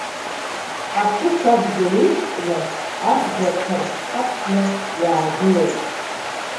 Аԥышә адгьыл иқәкны, абӷа ҭарсҳаԥны иаагылеит.